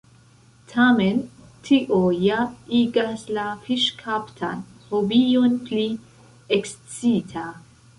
Tamen tio ja igas la fiŝkaptan hobion pli ekscita!